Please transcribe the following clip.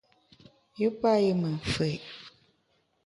Yù payù me mfù’i.